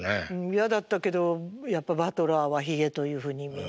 嫌だったけどやっぱバトラーはヒゲというふうにみんなね。